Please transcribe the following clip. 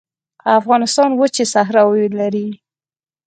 افغانستان وچې صحراوې لري